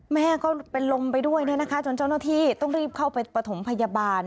แม่ก็ลมไปด้วยนะคะจนเจ้าหน้าที่ต้องรีบเข้าไปปฐมพยาบาล